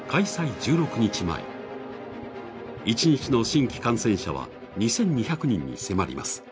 １６日前、一日の新規感染者は２２００人に迫ります。